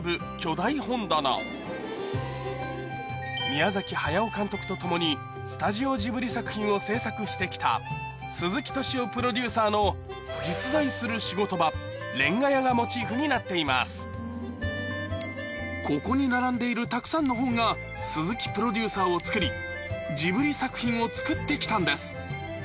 宮駿監督と共にスタジオジブリ作品を制作して来た鈴木敏夫プロデューサーの実在するここに並んでいるたくさんの本が鈴木プロデューサーをつくりジブリ作品を作って来たんです